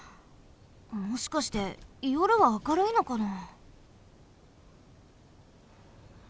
もしかしてよるは明るいのかな？